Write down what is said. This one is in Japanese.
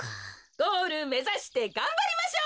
ゴールめざしてがんばりましょう！